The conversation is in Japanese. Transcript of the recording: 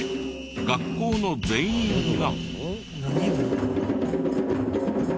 学校の全員が。